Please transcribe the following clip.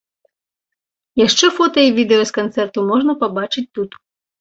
Яшчэ фота і відэа з канцэрту можна пабачыць тут.